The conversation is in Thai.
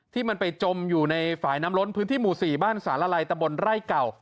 ที่มันไปจมอยู่ในฝ่ายน้ำล้นพื้นที่หมู่๔บ้านสารลัยตะบนไร่เก่า